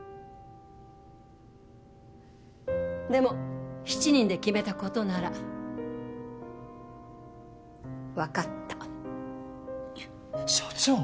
でも７人で決めたことなら分かったいや社長！